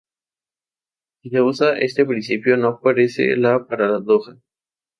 Si se usa este principio, no aparece la paradoja.